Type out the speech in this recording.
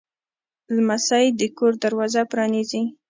لمسی د کور دروازه پرانیزي.